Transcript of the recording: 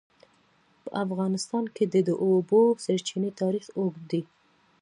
په افغانستان کې د د اوبو سرچینې تاریخ اوږد دی.